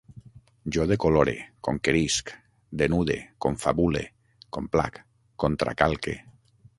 Jo decolore, conquerisc, denude, confabule, complac, contracalque